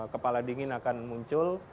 kepala dingin akan muncul